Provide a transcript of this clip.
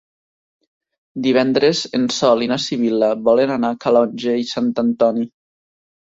Divendres en Sol i na Sibil·la volen anar a Calonge i Sant Antoni.